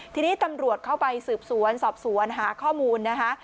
ทีนี้ตำรวจเข้าไปสืบสวนสอบสวนหาข้อมูลนะคะ